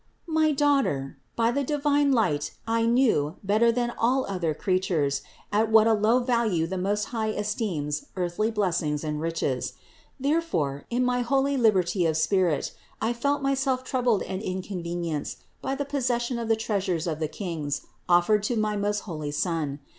581. My daughter, by the divine light I knew, better than all other creatures, at what a low value the Most High esteems earthly blessings and riches. Therefore, in my holy liberty of spirit, I felt myself troubled and inconvenienced by the possession of the treasures of the Kings offered to my most holy Son.